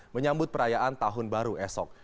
menyambut perayaan tahun baru esok